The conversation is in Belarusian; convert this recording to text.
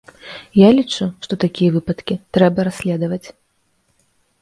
Я лічу, што такія выпадкі трэба расследаваць.